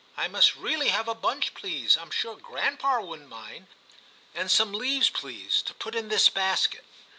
I must really have a bunch, please. I'm sure grandpapa D 34 TIM CHAP. wouldn't mind, — and some leaves, please, to put in this basket.'